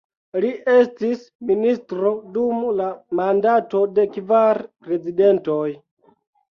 Li estis ministro dum la mandato de kvar prezidentoj.